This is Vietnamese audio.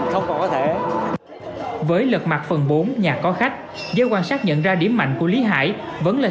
không còn có thể với lật mặt phần bốn nhà có khách do quan sát nhận ra điểm mạnh của lý hải vẫn là